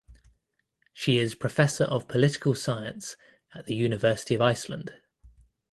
She is Professor of Political Science at the University of Iceland.